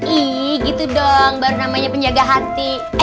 ih gitu dong baru namanya penjaga hati